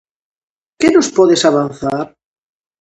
Que nos podes avanzar?